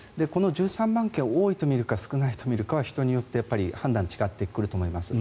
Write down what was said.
この１３万件を多いとみるか少ないとみるかは人によって判断が違ってくると思います。